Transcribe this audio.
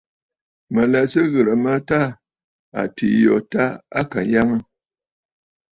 Mǝ̀ lɛ Sɨ ghirǝ mǝ tâ atiî yo tâ à Kanyaŋǝ.